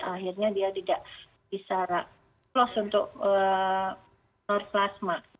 akhirnya dia tidak bisa plus untuk non plasma